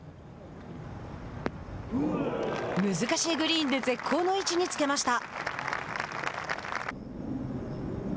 難しいグリーンで絶好の位置につけました。